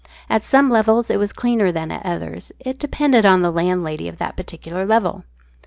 At some levels it was cleaner than at others. It depended on the landlady of the particular level.